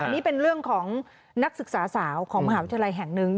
อันนี้เป็นเรื่องของนักศึกษาสาวของมหาวิทยาลัยแห่งหนึ่ง